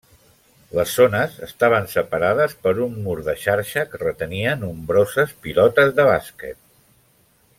Les zones estaven separades per un mur de xarxa que retenia nombroses pilotes de bàsquet.